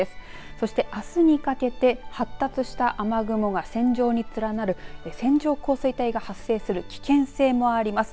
そしてあすにかけて発達した雨雲が線状に連なる線状降水帯が発生する危険性もあります。